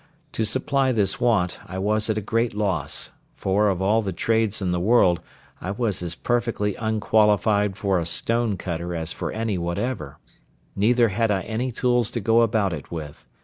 To supply this want, I was at a great loss; for, of all the trades in the world, I was as perfectly unqualified for a stone cutter as for any whatever; neither had I any tools to go about it with.